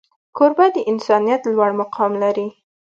کوربه د انسانیت لوړ مقام لري.